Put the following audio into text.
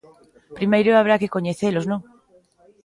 Primeiro haberá que coñecelos, ¿non?